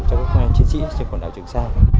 cho các chiến sĩ trên quần đảo trường sa